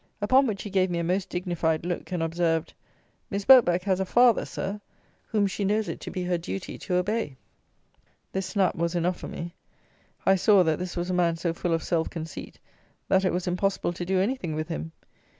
Upon which he gave me a most dignified look, and observed: "Miss Birkbeck has a father, Sir, whom she knows it to be her duty to obey." This snap was enough for me. I saw, that this was a man so full of self conceit, that it was impossible to do anything with him.